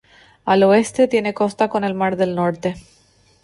Al oeste tiene costa con el Mar del Norte.